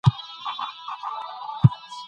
د دې ساتنه د ټولو دنده ده.